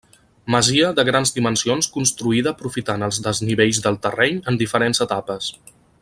Masia de grans dimensions construïda aprofitant els desnivells del terreny en diferents etapes.